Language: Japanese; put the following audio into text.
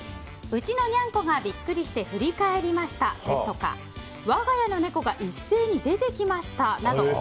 うちのにゃんこがビックリして振り返りましたですとか我が家の猫が一斉に出てきましたなど